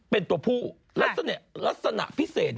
เป็นตัวผู้ลักษณะพิเศษ